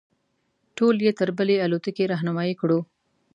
ټول یې تر بلې الوتکې رهنمایي کړو.